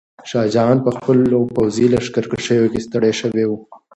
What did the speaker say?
شاه جهان په خپلو پوځي لښکرکشیو کې ستړی شوی و.